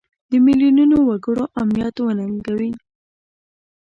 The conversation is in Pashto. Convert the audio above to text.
د میلیونونو وګړو امنیت وننګوي.